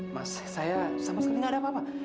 mas saya sama sekali gak ada apa apa